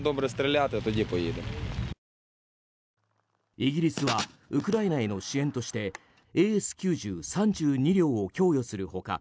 イギリスはウクライナへの支援としてＡＳ９０３２両を供与する他